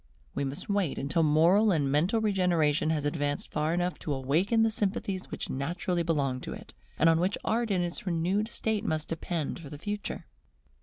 We must wait until moral and mental regeneration has advanced far enough to awaken the sympathies which naturally belong to it, and on which Art in its renewed state must depend for the future.